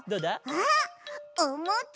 あっおもち！